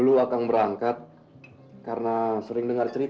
dulu akan berangkat karena sering dengar cerita